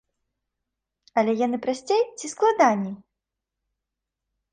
Але яны прасцей ці складаней?